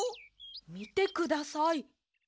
みてください。